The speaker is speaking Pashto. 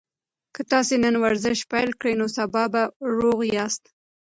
که تاسي نن ورزش پیل کړئ نو سبا به روغ یاست.